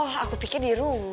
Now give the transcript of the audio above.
oh aku pikir di room